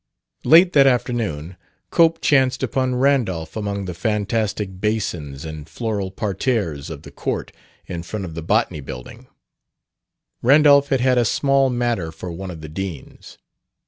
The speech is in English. Late that afternoon Cope chanced upon Randolph among the fantastic basins and floral parterres of the court in front of the Botany building: Randolph had had a small matter for one of the deans.